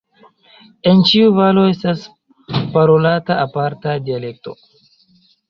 En ĉiu valo estas parolata aparta dialekto.